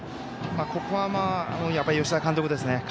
ここは、吉田監督ですね。